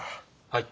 はい。